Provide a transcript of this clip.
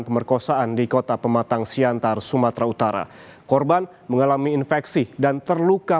pemerkosaan di kota pematang siantar sumatera utara korban mengalami infeksi dan terluka